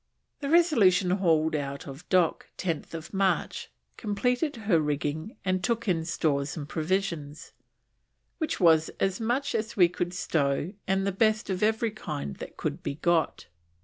The Resolution hauled out of dock, 10th March, completed her rigging and took in stores and provisions, "which was as much as we could stow and the best of every kind that could be got."